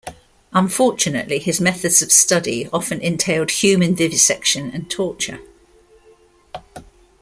Unfortunately, his methods of study often entailed human vivisection and torture.